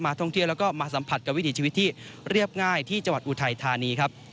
ท่องเที่ยวแล้วก็มาสัมผัสกับวิถีชีวิตที่เรียบง่ายที่จังหวัดอุทัยธานีครับ